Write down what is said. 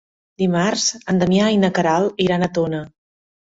Dimarts en Damià i na Queralt iran a Tona.